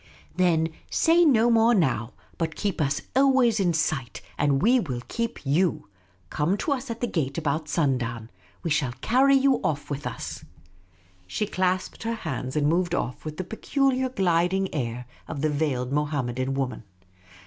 \" Then say no more now, but keep us always in sight, and we will keep you. Come to us at the gate about sundown. We will carry you off with us." She clasped her hands and moved off with the peculiar gliding air of the veiled Mohammedan woman.